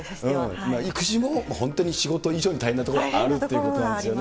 育児も本当に仕事以上に大変なことがあるっていうことですよね。